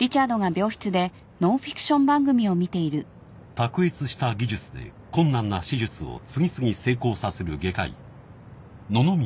［卓越した技術で困難な手術を次々成功させる外科医野々宮